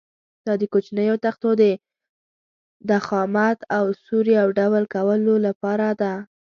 دا د کوچنیو تختو د ضخامت او سور یو ډول کولو لپاره ده.